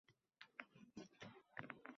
Arslon esa bir o‘yda edi